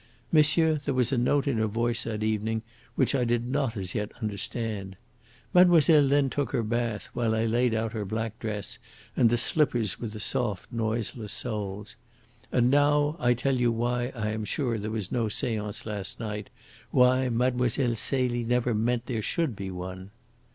Monsieur, there was a note in her voice that evening which I did not as yet understand. Mademoiselle then took her bath while I laid out her black dress and the slippers with the soft, noiseless soles. And now I tell you why I am sure there was no seance last night why Mlle. Celie never meant there should be one."